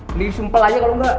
mending disumpel aja kalo gak